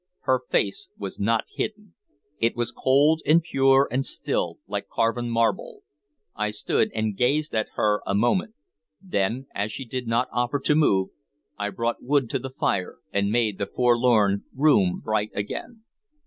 Her face was not hidden: it was cold and pure and still, like carven marble. I stood and gazed at her a moment; then, as she did not offer to move, I brought wood to the fire and made the forlorn room bright again.